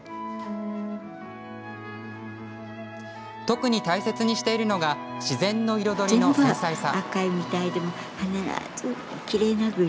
特に大切にしているのが自然の彩りの大切さ。